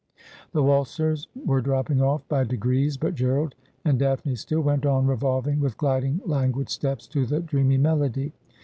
The waltzers were dropping off; by degrees ; but Gerald and Daphne still went on revolving with gliding languid steps to the dreamy melody.